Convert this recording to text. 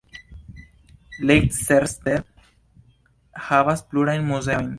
Leicester havas plurajn muzeojn.